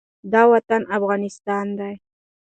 دا وطن افغانستان دی،